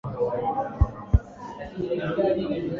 Wa miaka kumi na tano aligunduliwa ana ugonjwa wa moyo